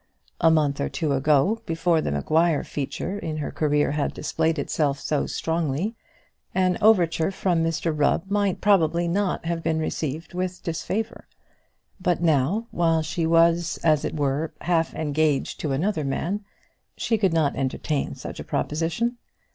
A month or two ago, before the Maguire feature in her career had displayed itself so strongly, an overture from Mr Rubb might probably not have been received with disfavour. But now, while she was as it were half engaged to another man, she could not entertain such a proposition.